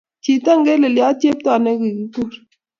Chito ingrleltot chepto ne kogikur.